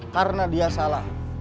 karena dia salah